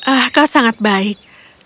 ah kau sangat baik